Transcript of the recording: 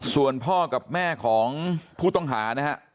ส่วนพ่อกับแม่ของผู้ต้องหานะฮะ